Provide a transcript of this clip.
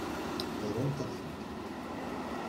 Rrant-aɣ-tent-id.